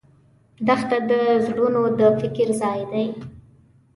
دښته د زړونو د فکر ځای دی.